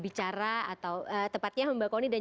bicara atau tepatnya mbak koni dan